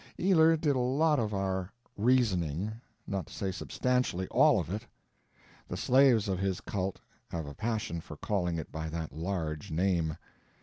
Ealer did a lot of our "reasoning"—not to say substantially all of it. The slaves of his cult have a passion for calling it by that large name.